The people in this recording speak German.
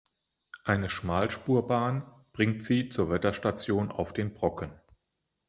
Eine Schmalspurbahn bringt Sie zur Wetterstation auf dem Brocken.